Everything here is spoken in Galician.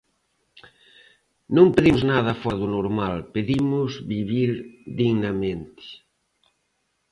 Non pedimos nada fóra do normal, pedimos vivir dignamente.